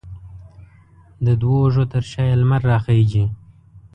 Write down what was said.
د دوو اوږو تر شا یې لمر راخیژي